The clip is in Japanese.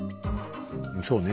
そうね。